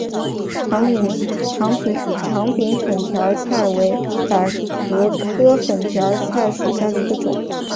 长柄粉条儿菜为百合科粉条儿菜属下的一个种。